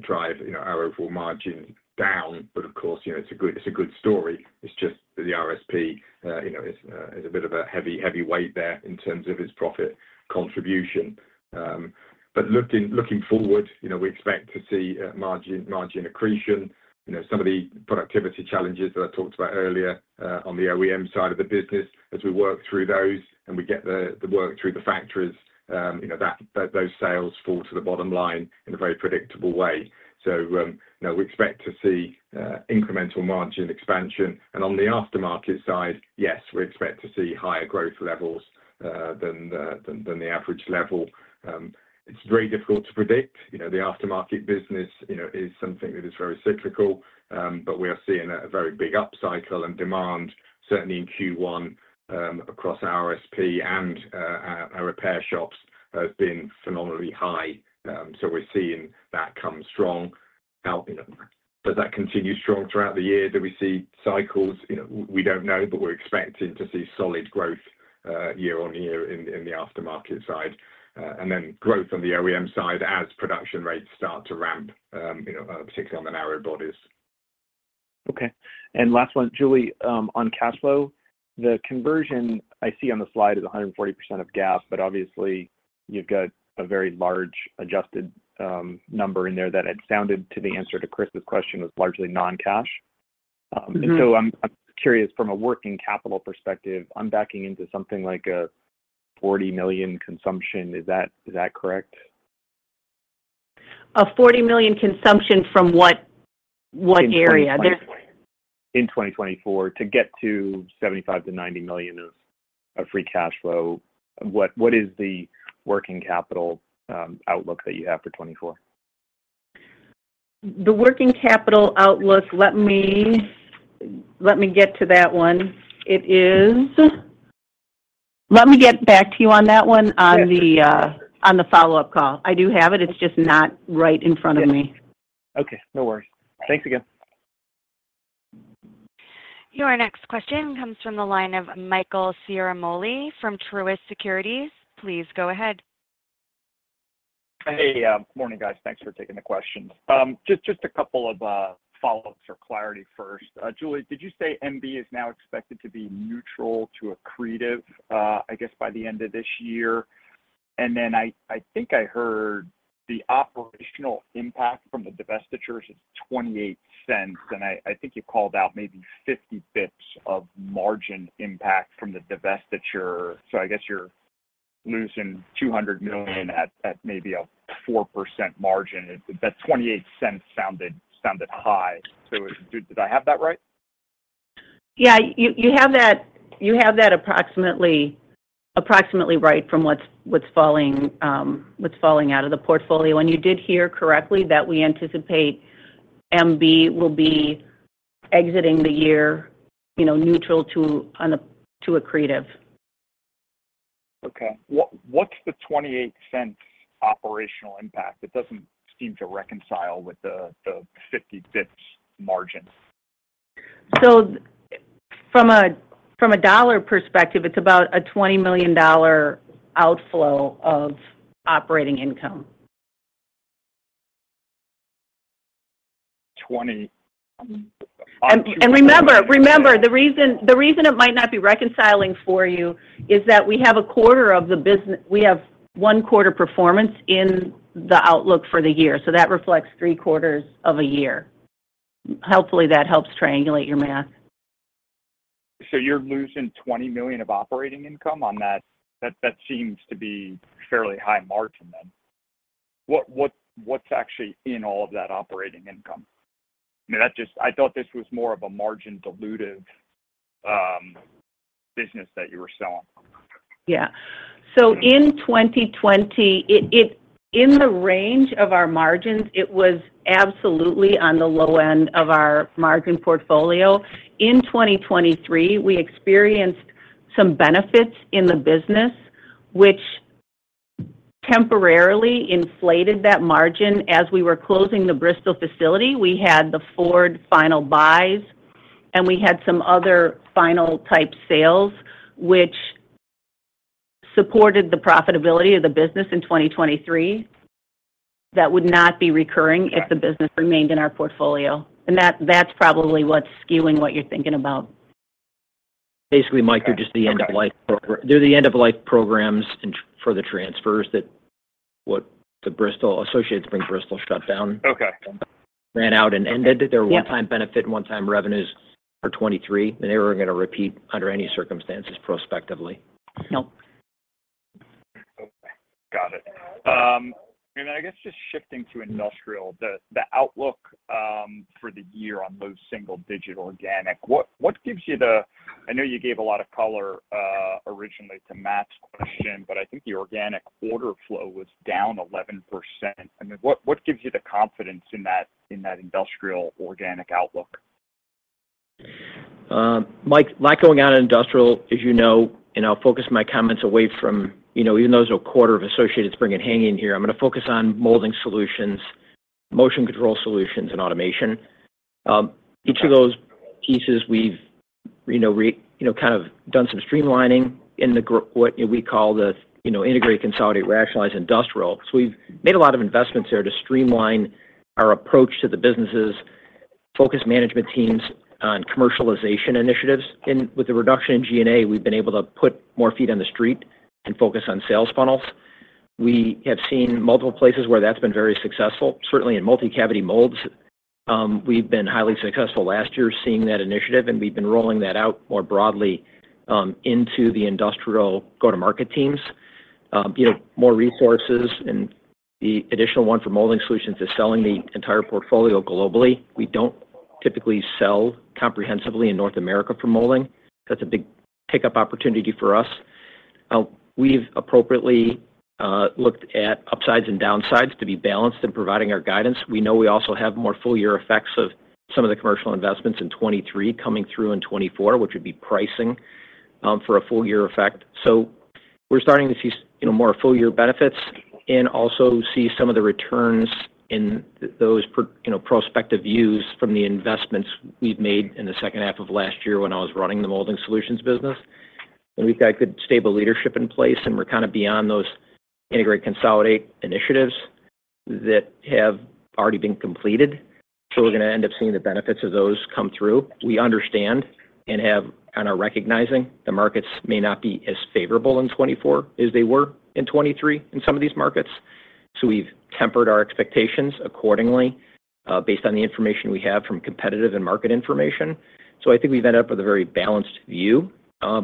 drive, you know, our overall margin down, but of course, you know, it's a good, it's a good story. It's just that the RSP, you know, is, is a bit of a heavy, heavy weight there in terms of its profit contribution. But looking, looking forward, you know, we expect to see margin, margin accretion. You know, some of the productivity challenges that I talked about earlier, on the OEM side of the business, as we work through those and we get the work through the factories, you know, that, those sales fall to the bottom line in a very predictable way. So, you know, we expect to see, incremental margin expansion. And on the aftermarket side, yes, we expect to see higher growth levels, than the average level. It's very difficult to predict. You know, the aftermarket business, you know, is something that is very cyclical, but we are seeing a very big upcycle and demand, certainly in Q1, across RSP and, our repair shops have been phenomenally high. So we're seeing that come strong now, you know. Does that continue strong throughout the year? Do we see cycles? You know, we don't know, but we're expecting to see solid growth year on year in the aftermarket side. And then growth on the OEM side as production rates start to ramp, you know, particularly on the narrow bodies. Okay. And last one, Julie, on cash flow. The conversion I see on the slide is 100% of GAAP, but obviously, you've got a very large adjusted number in there that it sounded to the answer to Chris's question, was largely non-cash. Mm-hmm. And so I'm curious, from a working capital perspective, I'm backing into something like a $40 million consumption. Is that correct? A $40 million consumption from what, what area? There's- In 2024. In 2024, to get to $75 million-$90 million of free cash flow, what, what is the working capital outlook that you have for 2024? The working capital outlook, let me, let me get to that one. It is... Let me get back to you on that one- On the follow-up call. I do have it, it's just not right in front of me. Okay, no worries. Thanks again. Your next question comes from the line of Michael Ciarmoli from Truist Securities. Please go ahead. Hey, morning, guys. Thanks for taking the questions. Just, just a couple of follow-ups or clarity first. Julie, did you say MB is now expected to be neutral to accretive, I guess, by the end of this year? And then I, I think I heard the operational impact from the divestitures is $0.28, and I, I think you called out maybe 50 basis points of margin impact from the divestiture. So I guess you're losing $200 million at, at maybe a 4% margin. That $0.28 sounded, sounded high. So did, did I have that right? Yeah, you have that approximately right from what's falling out of the portfolio. And you did hear correctly that we anticipate MB will be exiting the year, you know, neutral to accretive. Okay. What, what's the $0.28 operational impact? It doesn't seem to reconcile with the 50 basis points margin. So from a dollar perspective, it's about a $20 million outflow of operating income. Twenty- Remember, the reason it might not be reconciling for you is that we have a quarter of the business. We have one quarter performance in the outlook for the year, so that reflects three quarters of a year. Hopefully, that helps triangulate your math. So you're losing $20 million of operating income on that? That, that seems to be fairly high margin then. What's actually in all of that operating income? I mean, that just... I thought this was more of a margin dilutive business that you were selling. Yeah. So in 2020, it in the range of our margins, it was absolutely on the low end of our margin portfolio. In 2023, we experienced some benefits in the business, which temporarily inflated that margin. As we were closing the Bristol facility, we had the Ford final buys, and we had some other final type sales, which supported the profitability of the business in 2023. That would not be recurring if the business remained in our portfolio, and that's probably what's skewing what you're thinking about. Basically, Mike, they're just the end of life program- Okay They're the end-of-life programs, and for the transfers, that's what the Bristol associates from Bristol shut down. Okay... ran out and ended. Yep. They're a one-time benefit, one-time revenues for 2023, and they weren't going to repeat under any circumstances prospectively. Nope.... I guess just shifting to industrial, the outlook for the year on low single-digit organic. What gives you the— I know you gave a lot of color originally to Matt's question, but I think the organic order flow was down 11%. I mean, what gives you the confidence in that industrial organic outlook? Mike, Mike, going out in industrial, as you know, and I'll focus my comments away from, you know, even though there's no quarter of Associated Spring Hänggi in here, I'm gonna focus on Molding Solutions, motion control solutions, and automation. Each of those pieces we've, you know, kind of done some streamlining in what we call the, you know, integrate, consolidate, rationalize, industrial. So we've made a lot of investments there to streamline our approach to the businesses, focus management teams on commercialization initiatives. And with the reduction in G&A, we've been able to put more feet on the street and focus on sales funnels. We have seen multiple places where that's been very successful. Certainly, in multi-cavity molds, we've been highly successful last year seeing that initiative, and we've been rolling that out more broadly into the industrial go-to-market teams. You know, more resources, and the additional one for Molding Solutions is selling the entire portfolio globally. We don't typically sell comprehensively in North America for molding. That's a big pickup opportunity for us. Now, we've appropriately looked at upsides and downsides to be balanced in providing our guidance. We know we also have more full year effects of some of the commercial investments in 2023 coming through in 2024, which would be pricing for a full year effect. So we're starting to see, you know, more full year benefits and also see some of the returns in those per, you know, prospective views from the investments we've made in the second half of last year when I was running the Molding Solutions business. And we've got good, stable leadership in place, and we're kind of beyond those integrate, consolidate initiatives that have already been completed. So we're gonna end up seeing the benefits of those come through. We understand and are recognizing the markets may not be as favorable in 2024 as they were in 2023 in some of these markets. So we've tempered our expectations accordingly, based on the information we have from competitive and market information. So I think we've ended up with a very balanced view,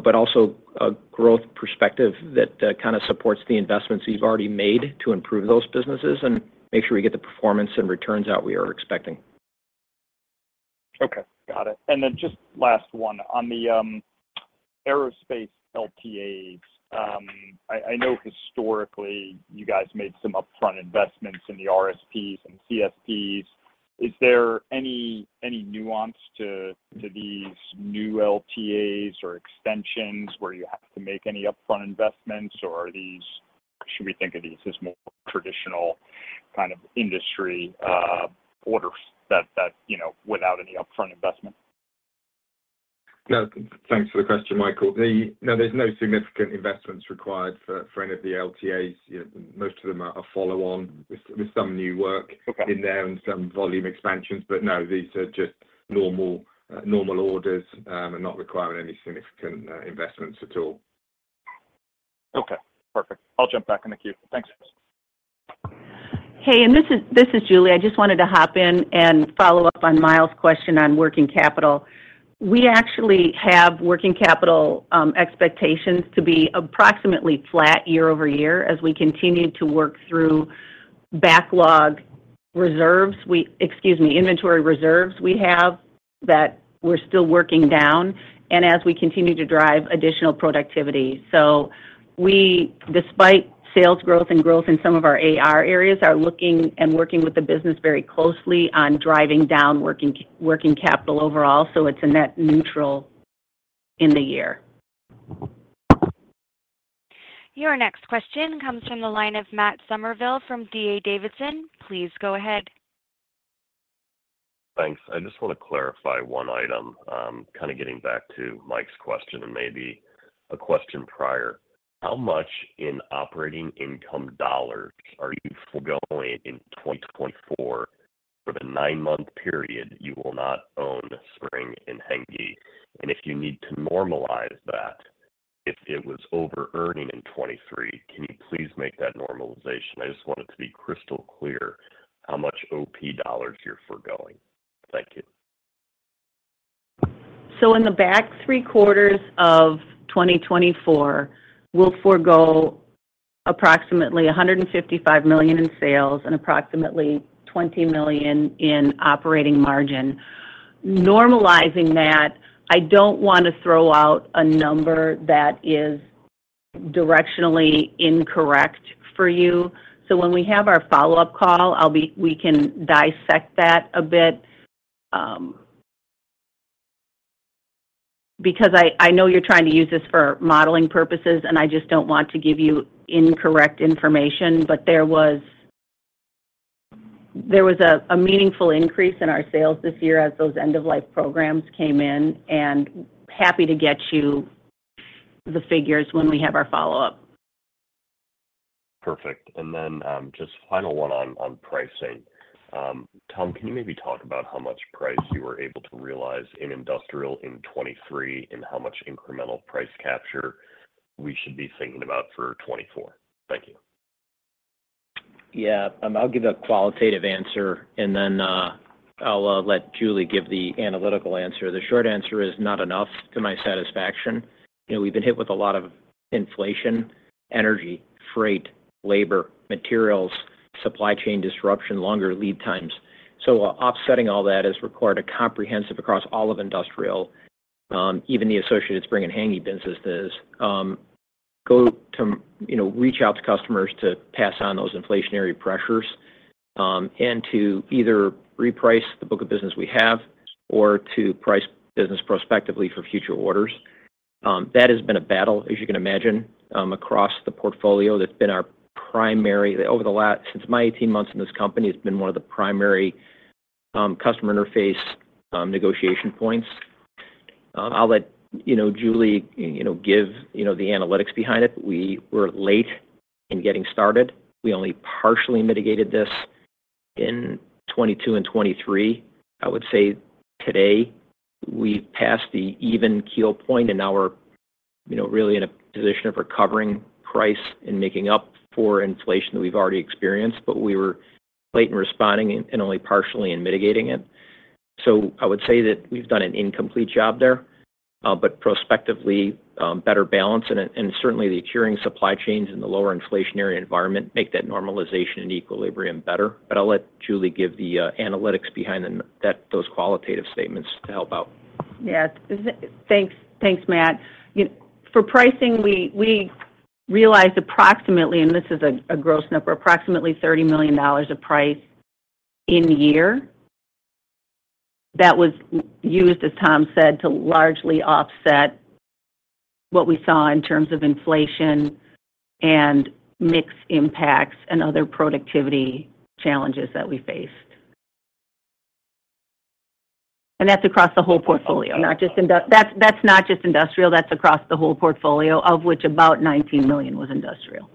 but also a growth perspective that kind of supports the investments we've already made to improve those businesses and make sure we get the performance and returns out we are expecting. Okay, got it. And then just last one. On the aerospace LTAs, I know historically you guys made some upfront investments in the RSPs and CSPs. Is there any nuance to these new LTAs or extensions where you have to make any upfront investments, or are these, should we think of these as more traditional kind of industry orders that you know, without any upfront investment? No, thanks for the question, Michael. No, there's no significant investments required for any of the LTAs. Most of them are follow on with some new work- Okay. -in there and some volume expansions, but no, these are just normal orders, and not requiring any significant investments at all. Okay, perfect. I'll jump back in the queue. Thanks. Hey, this is Julie. I just wanted to hop in and follow up on Myles' question on working capital. We actually have working capital expectations to be approximately flat year-over-year as we continue to work through backlog reserves. Excuse me, inventory reserves we have that we're still working down and as we continue to drive additional productivity. So we, despite sales growth and growth in some of our AR areas, are looking and working with the business very closely on driving down working capital overall, so it's a net neutral in the year. Your next question comes from the line of Matt Summerville from D.A. Davidson. Please go ahead. Thanks. I just want to clarify one item. Kind of getting back to Mike's question, and maybe a question prior. How much in operating income dollars are you foregoing in 2024 for the nine-month period you will not own Spring and Hänggi? And if you need to normalize that, if it was overearning in 2023, can you please make that normalization? I just want it to be crystal clear how much OP dollars you're forgoing. Thank you. So in the back three quarters of 2024, we'll forego approximately $155 million in sales and approximately $20 million in operating margin. Normalizing that, I don't want to throw out a number that is directionally incorrect for you. So when we have our follow-up call, we can dissect that a bit, because I know you're trying to use this for modeling purposes, and I just don't want to give you incorrect information. But there was a meaningful increase in our sales this year as those end-of-life programs came in, and happy to get you the figures when we have our follow-up. Perfect. And then, just final one on, on pricing. Tom, can you maybe talk about how much price you were able to realize in industrial in 2023 and how much incremental price capture we should be thinking about for 2024? Thank you. Yeah, I'll give a qualitative answer, and then I'll let Julie give the analytical answer. The short answer is not enough to my satisfaction. You know, we've been hit with a lot of inflation, energy, freight, labor, materials, supply chain disruption, longer lead times. So offsetting all that has required a comprehensive across all of industrial, even the Associated Spring and Hänggi business is got to, you know, reach out to customers to pass on those inflationary pressures, and to either reprice the book of business we have or to price business prospectively for future orders. That has been a battle, as you can imagine, across the portfolio. That's been our primary. Since my 18 months in this company, it's been one of the primary customer interface negotiation points. I'll let you know, Julie, you know, give you know the analytics behind it, but we were late in getting started. We only partially mitigated this in 2022 and 2023. I would say today, we passed the even keel point, and now we're, you know, really in a position of recovering price and making up for inflation that we've already experienced. But we were late in responding and only partially in mitigating it. So I would say that we've done an incomplete job there, but prospectively, better balance and certainly, the securing supply chains and the lower inflationary environment make that normalization and equilibrium better. But I'll let Julie give the analytics behind that, those qualitative statements to help out. Yeah. Thanks, thanks, Matt. You know, for pricing, we realized approximately, and this is a gross number, approximately $30 million of price in year. That was used, as Tom said, to largely offset what we saw in terms of inflation and mix impacts and other productivity challenges that we faced. And that's across the whole portfolio, not just industrial. That's not just industrial, that's across the whole portfolio, of which about $19 million was industrial.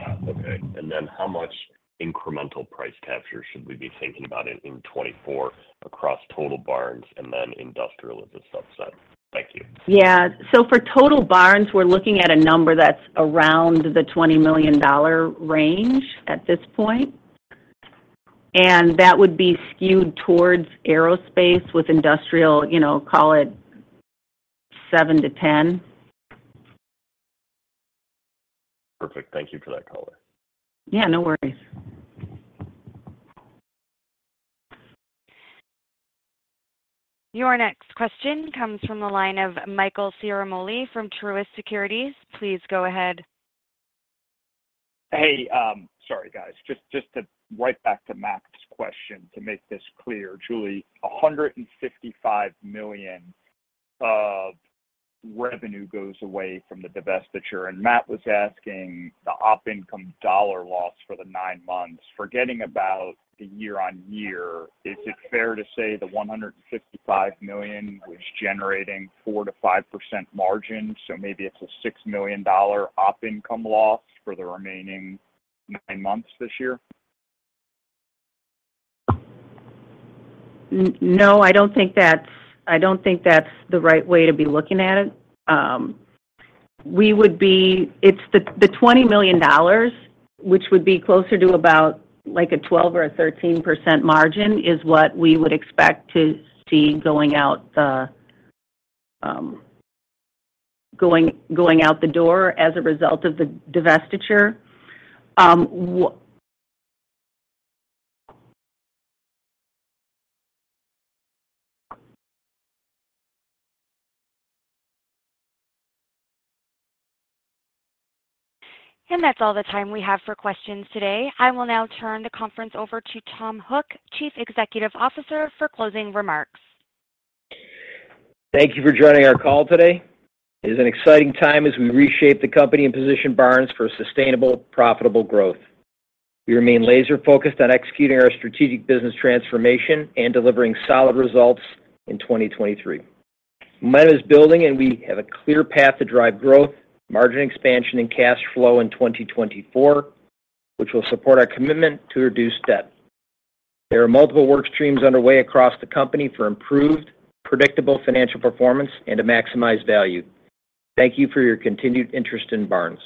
Ah, okay. And then how much incremental price capture should we be thinking about in, in 2024 across total Barnes and then industrial as a subset? Thank you. Yeah. So for total Barnes, we're looking at a number that's around the $20 million range at this point, and that would be skewed towards aerospace with industrial, you know, call it $7 million-$10 million. Perfect. Thank you for that color. Yeah, no worries. Your next question comes from the line of Michael Ciarmoli from Truist Securities. Please go ahead. Hey, sorry, guys. Just to right back to Matt's question to make this clear, Julie, $155 million of revenue goes away from the divestiture, and Matt was asking the op income dollar loss for the nine months. Forgetting about the year-on-year, is it fair to say the $155 million was generating 4%-5% margin, so maybe it's a $6 million op income loss for the remaining nine months this year? No, I don't think that's the right way to be looking at it. We would be... It's the $20 million, which would be closer to about like a 12 or a 13% margin, is what we would expect to see going out the door as a result of the divestiture. W- That's all the time we have for questions today. I will now turn the conference over to Tom Hook, Chief Executive Officer, for closing remarks. Thank you for joining our call today. It is an exciting time as we reshape the company and position Barnes for sustainable, profitable growth. We remain laser focused on executing our strategic business transformation and delivering solid results in 2023. Momentum is building, and we have a clear path to drive growth, margin expansion, and cash flow in 2024, which will support our commitment to reduce debt. There are multiple work streams underway across the company for improved, predictable financial performance and to maximize value. Thank you for your continued interest in Barnes.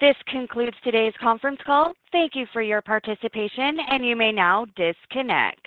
This concludes today's conference call. Thank you for your participation, and you may now disconnect.